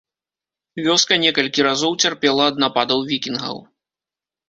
Вёска некалькі разоў цярпела ад нападаў вікінгаў.